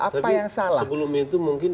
apa yang salah tapi sebelum itu mungkin